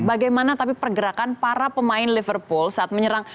bagaimana tapi pergerakan para pemain liverpool saat menyerang